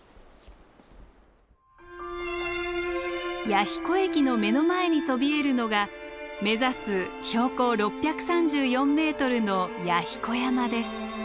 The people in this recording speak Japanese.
弥彦駅の目の前にそびえるのが目指す標高６３４ｍの弥彦山です。